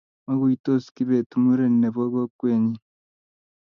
maguytos kibet muren nebo kokwetnyi